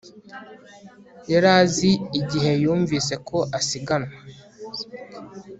yari azi igihe yumvise ko asiganwa